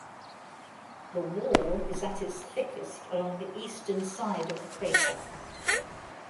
The wall is at its thickest along the eastern side of the crater.